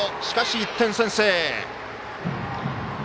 しかし１点先制！